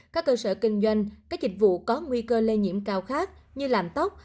các cơ sở kinh doanh các dịch vụ có nguy cơ lây nhiễm cao khác như làm tóc